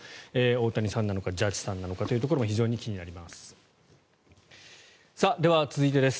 大谷さんなのかジャッジさんなのかというところも非常に気になります。